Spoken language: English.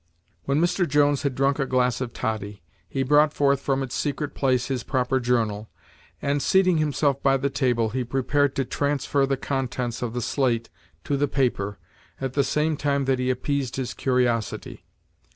When Mr. Jones had drunk a glass of toddy, he brought forth from its secret place his proper journal, and, seating himself by the table, he prepared to transfer the contents of the slate to the paper, at the same time that he appeased his curiosity.